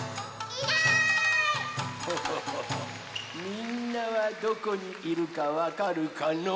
みんなはどこにいるかわかるかの？